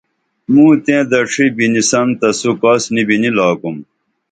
موو تئیں دڇھی بِنی سن تسو کاس نی بِنی لاکُم